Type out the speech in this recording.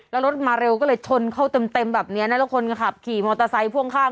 แล้วรถมาเร็วก็เลยชนเข้าเต็มแบบนี้นะแล้วคนขับขี่มอเตอร์ไซค์พ่วงข้าง